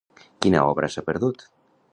Quina obra s'ha perdut?